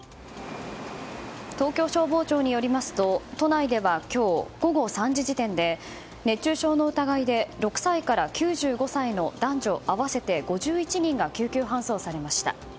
東京消防庁によりますと都内では、今日午後３時時点で熱中症の疑いで６歳から９５歳の男女合わせて５１人が救急搬送されました。